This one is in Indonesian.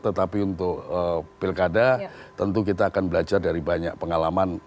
tetapi untuk pilkada tentu kita akan belajar dari banyak pengalaman